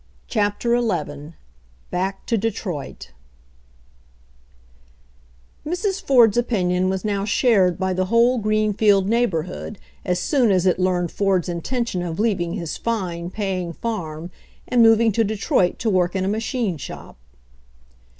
CHAPTER XI BACK TO DETROIT Mrs. Ford's opinion was now shared by the whole Greenfield neighborhood as soon as it learned Ford's intention of leaving his fine, pay ing farm and moving to Detroit to work in a machine shop.